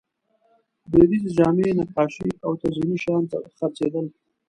دودیزې جامې، نقاشۍ او تزییني شیان خرڅېدل.